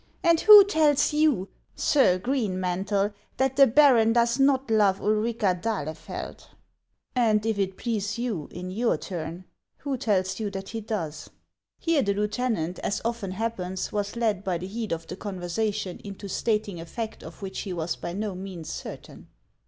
And who tells you, Sir Green mantle, that the "baron does not love Ulrica d'Ahleield ?"" And, if it please you, in your turn, who tells you that he does ?" Here the lieutenant, as often happens, was led by the heat of the conversation into stating a fact of which he was by no means certain.